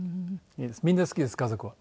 みんな好きです家族は。